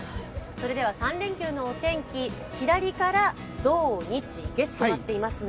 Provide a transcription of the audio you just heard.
それでは３連休のお天気、左から土・日・月となっています。